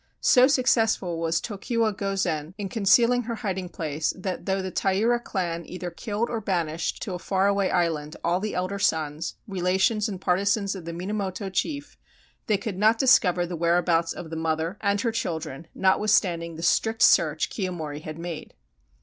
So successful was Tokiwa Gozen in conceaUng her hiding place that, though the Taira clan either killed or banished to a far away island all the elder sons, rela tionSj and partisans of the Minamoto chief, they could not discover the whereabouts of the mother and her 300 THE STORY OF YOSHITSUNE children, notwithstanding the strict search Kiyomori had made.